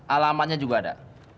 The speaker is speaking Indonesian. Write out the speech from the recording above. alamatnya juga ada